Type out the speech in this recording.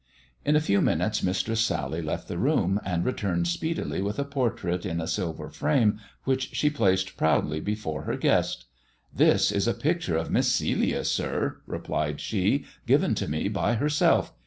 In a few minutes Mistress Sally left the room, and returned speedily with a portrait in a silver frame, which she placed proudly before her guest. " This is a picture of Miss Celia, sir," replied she, " given to me by herself.